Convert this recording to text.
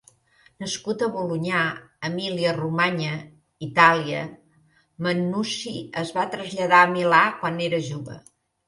Nascut a Bolonya, Emília-Romanya, Itàlia, Mannucci es va traslladar a Milà quan era jove.